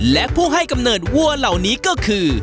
และผู้ให้กำเนิดวัวเหล่านี้ก็คือ